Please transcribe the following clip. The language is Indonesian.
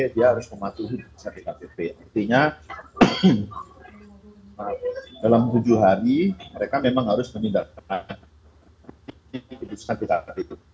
dia harus mematuhi putusan dkpp artinya dalam tujuh hari mereka memang harus menindakkan putusan dkpp